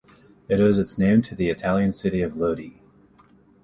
It owes its name to the Italian city of Lodi.